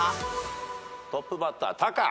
トップバッタータカ。